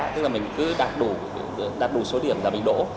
tức là mình cứ đạt đủ số điểm là mình đổ